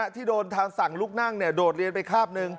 ที่โดนทางสั่งลุกนั่งโดดเรียนไปคาบนึง